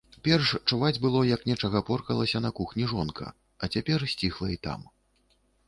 Перш чуваць было, як нечага поркалася на кухні жонка, а цяпер сціхла і там.